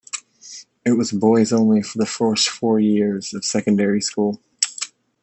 It was boys-only for the first four years of secondary school.